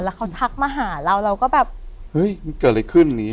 แล้วเขาทักมาหาเราเราก็แบบเฮ้ยมันเกิดอะไรขึ้นอย่างนี้